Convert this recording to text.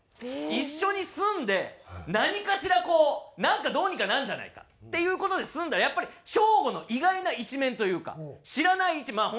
一緒に住んで何かしらこうなんかどうにかなるんじゃないかっていう事で住んだらやっぱりショーゴの意外な一面というか知らないまあ